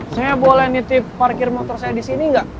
saya boleh nitip parkir motor saya disini gak